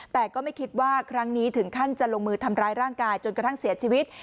แต่ก็ไม่คิดว่าครั้งนี้ถึงขั้นจะลงมือทำร้ายร่างกายจนกระทั่งเสียชีวิต